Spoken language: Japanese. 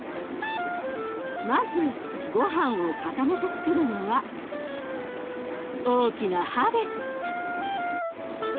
まずごはんを固めてつくるのは大きな歯です。